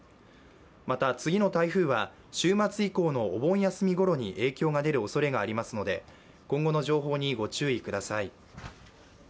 また、次の台風は週末以降のお盆休みごろに影響があるおそれがありますので今後の情報にご注意ください。